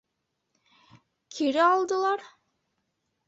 Кире алдылар?